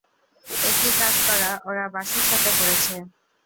একই কাজ ওরা বাসুর সাথে করেছে।